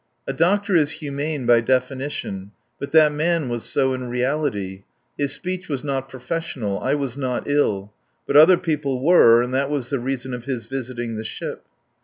A doctor is humane by definition. But that man was so in reality. His speech was not professional. I was not ill. But other people were, and that was the reason of his visiting the ship.